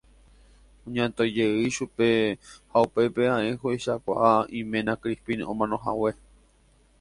Oñatõijey chupe ha upépe ae ohechakuaa iména Crispín omanohague.